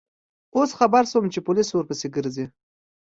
اوس خبر شوم چې پولیس ورپسې گرځي.